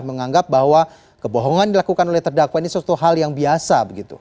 menganggap bahwa kebohongan dilakukan oleh terdakwa ini suatu hal yang biasa